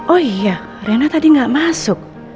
oh iya rena tadi gak masuk